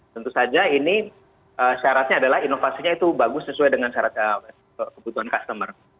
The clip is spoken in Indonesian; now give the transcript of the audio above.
tentu saja ini syaratnya adalah inovasinya itu bagus sesuai dengan syarat kebutuhan customer